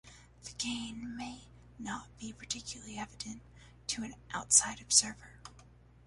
The "gain" may not be particularly evident to an outside observer.